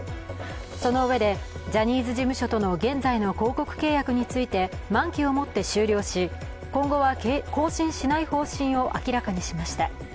そのうえで、ジャニーズ事務所との現在の広告契約について満期をもって終了し、今後は更新しない方針を明らかにしました。